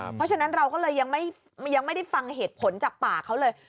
เพราะฉะนั้นเราก็เลยยังไม่ได้ฟังเหตุผลจากปากเขาเลย